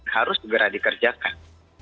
harus segera dikerjakan